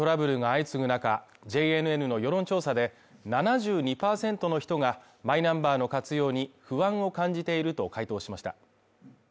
マイナンバーを巡るトラブルが相次ぐ中、ＪＮＮの世論調査で７２％の人が、マイナンバーの活用に不安を感じていると回答しました。